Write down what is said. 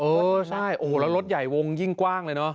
เออใช่โอ้โหแล้วรถใหญ่วงยิ่งกว้างเลยเนอ